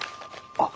あっ。